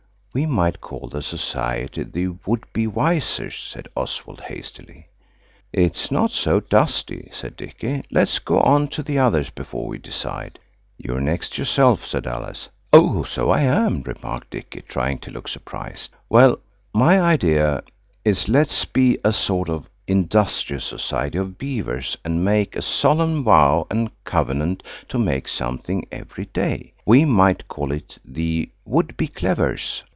"We might call the society the Would be Wisers," said Oswald hastily. "It's not so dusty," said Dicky; "let's go on to the others before we decide." "You're next yourself," said Alice. "Oh, so I am," remarked Dicky, trying to look surprised "Well, my idea is let's be a sort of Industrious Society of Beavers, and make a solemn vow and covenant to make something every day. We might call it the Would be Clevers."